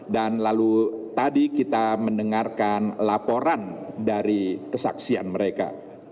dan lalu tadi kita mendengarkan laporan dari kesaksian mereka